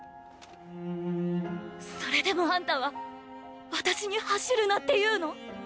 それでもあんたは私に走るなって言うの？